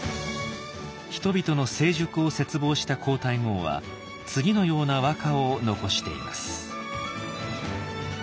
人々の成熟を切望した皇太后は次のような和歌を残しています。